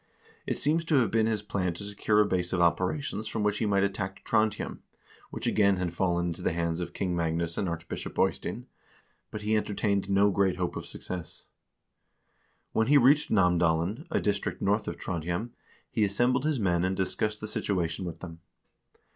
It seems to have been his plan to secure a base of operations from which he might attack Trondhjem, which again had fallen into the hands of King Magnus and Archbishop Eystein, but he entertained no great hope of success. When he reached Namdalen, a district north of Trondhjem, he assembled his men and discussed the situation with them.